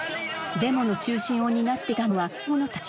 デモの中心を担っていたのは若者たち。